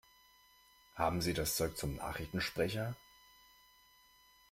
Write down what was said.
Haben Sie das Zeug zum Nachrichtensprecher?